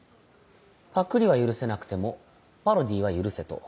パクリは許せなくてもパロディーは許せと。